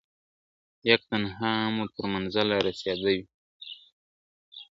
یک تنها مو تر منزله رسېده دي ..